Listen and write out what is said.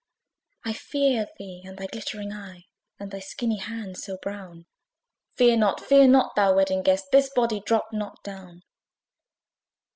"I fear thee and thy glittering eye, And thy skinny hand, so brown." Fear not, fear not, thou Wedding Guest! This body dropt not down.